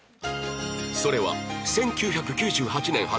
それは１９９８年発売